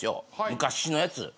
昔のやつ。